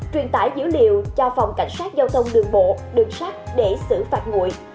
truyền tải dữ liệu cho phòng cảnh sát giao thông đường bộ đường sát để xử phạt nguội